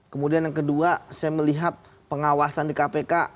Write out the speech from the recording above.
kemudian yang kedua saya melihat pengawasan di kpk